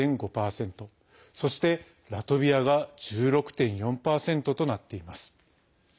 そして、ラトビアが１６．４％となっています。